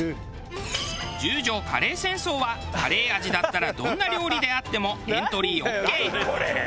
十条カレー戦争はカレー味だったらどんな料理であってもエントリーオーケー。